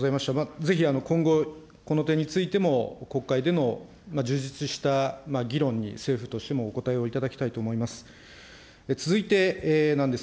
ぜひ今後、この点についても、国会での充実した議論に、政府としてもおこたえをいただきたいと思います。